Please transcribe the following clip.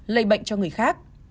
lây bệnh cho người khác